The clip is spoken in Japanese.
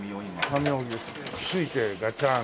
紙をすいてガチャン。